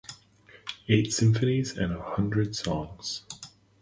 Eight symphonies and a hundred songs.